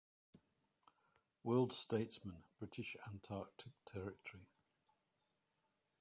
World Statesmen: British Antarctic Territory.